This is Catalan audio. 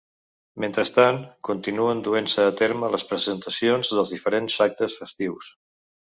Mentrestant, continuen duent-se a terme les presentacions dels diferents actes festius.